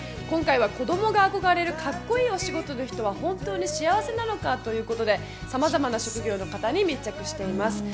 今回は子供が憧れるカッコいいお仕事の人は本当に幸せなのか？ということで、さまざまな職業の方に密着しています。